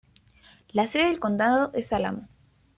La sede del condado es Alamo.